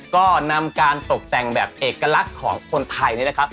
ก็นำการตกแต่งแบบเอกลักษณ์ของคนไทย